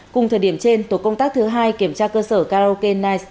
cùng thời điểm trên tổ công tác thứ hai kiểm tra cơ sở karaoke nige